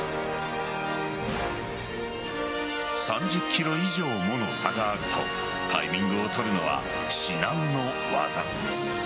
３０キロ以上もの差があるとタイミングを取るのは至難の業。